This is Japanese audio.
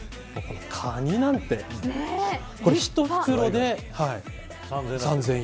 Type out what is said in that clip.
カニなんて１袋で３０００円。